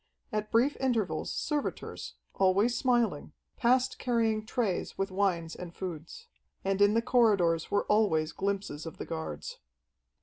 At brief intervals, servitors, always smiling, passed carrying trays with wines and foods. And in the corridors were always glimpses of the guards.